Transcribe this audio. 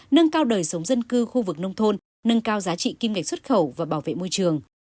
nâng cao đời sống dân cư khu vực nông thôn nâng cao giá trị kim ngạch xuất khẩu và bảo vệ môi trường